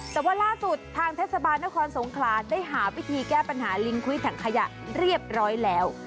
แต่ว่าล่าสุดทางเทศบาลนครสงขลาได้หาวิธีแก้ปัญหาลิงคุ้ยถังขยะเรียบร้อยแล้ว